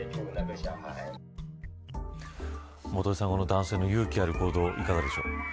男性の勇気ある行動いかがでしょう。